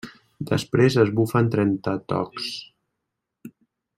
Després es bufen trenta tocs.